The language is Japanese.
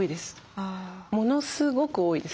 ものすごく多いです。